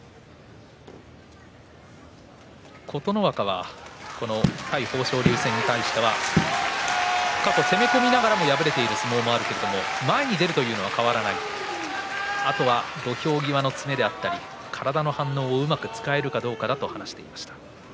琴ノ若は対豊昇龍戦に対しては過去、攻め込みながらも敗れている相撲があるけれども前に出るのは変わらないあとは土俵際の詰めで体の反応をうまく使えるかどうかだと話していました。